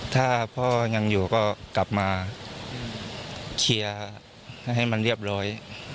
ถ้าพ่อยังอยู่ก็กลับมาเคลียร์ให้มันเรียบร้อย